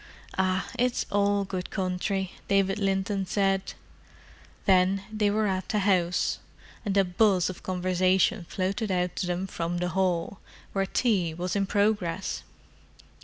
"Ah, it's all good country," David Linton said. Then they were at the house, and a buzz of conversation floated out to them from the hall, where tea was in progress.